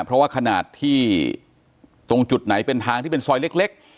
เพราะว่าขนาดที่ตรงจุดไหนเป็นทางที่เป็นซอยเล็ก